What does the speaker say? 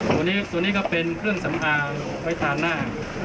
ตัวนี้ตัวนี้ก็เป็นเครื่องสำอางไว้ทานหน้า